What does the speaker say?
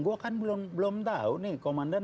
gue kan belum tahu nih komandan